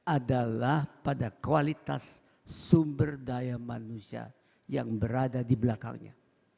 adalah pada kualitas sumber daya manusia yang berada di belakangnya